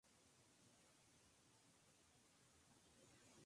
El Panathinaikos es el único equipo que ha ganado el campeonato griego invicto.